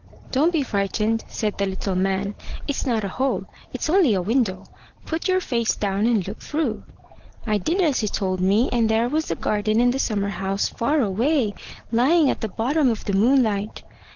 `Don't be frightened,' said the tittle man. `It's not a hole. It's only a window. Put your face down and look through.' I did as he told me, and there was the garden and the summer house, far away, lying at the bottom of the moonlight.